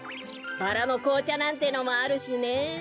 バラのこうちゃなんてのもあるしね。